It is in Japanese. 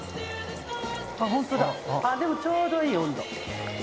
ホントだでもちょうどいい温度。